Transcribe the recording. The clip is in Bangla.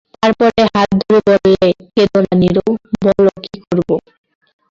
তার পরে হাত ধরে বললে, কেঁদো না নীরু, বলো কী করব।